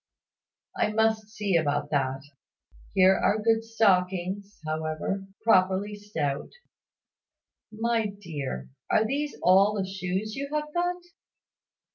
I must see about that. Here are good stockings, however properly stout. My dear, are these all the shoes you have got?"